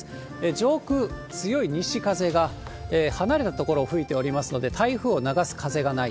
上空、強い西風が離れた所を吹いておりますので、台風を流す風がない。